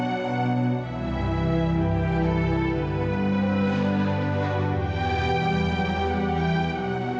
kamu nulis siapa